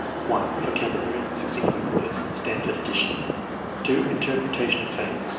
Vocabulary, C5 words. (Stanford addition.) !& Interpretation of fables.